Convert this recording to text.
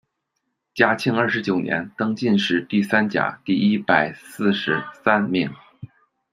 嘉靖二十九年，登进士第三甲第一百四十三名。